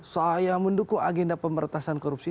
saya mendukung agenda pemberantasan korupsi